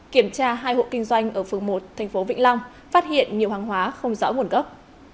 kiểm tra hai hộ kinh doanh ở phường một tp vĩnh long phát hiện nhiều hàng hóa không rõ nguồn gốc